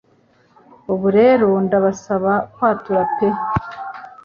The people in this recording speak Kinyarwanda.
Ubu rero ndabasaba kwatura pe